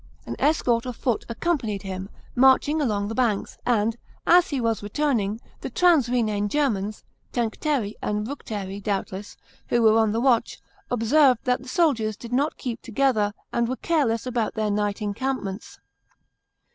An escort of foot accompanied him, marching along the banks, and, as he was returning, the trans Rhenane Germans — Tencteri and Bructeri, doubtless — who were on the watch, observed that the soldiers did not keep together, and were careless about their ni^ht encampments.